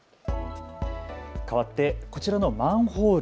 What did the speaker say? かわって、こちらのマンホール。